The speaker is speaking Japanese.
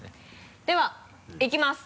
ではいきます